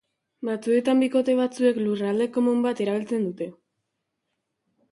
Batzuetan bikote batzuek lurralde komun bat erabiltzen dute.